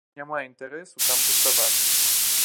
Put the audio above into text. Няма інтарэсу там заставацца.